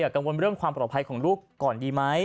กังวลเรื่องความปลอดภัยของลูกก่อนดีไหม